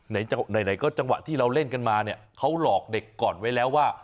ไหนก็จังหวะที่เราเล่นกันมาเนี่ยเขาหลอกเด็กก่อนไว้แล้วว่า